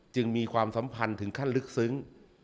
มีความสัมพันธ์ถึงขั้นลึกซึ้ง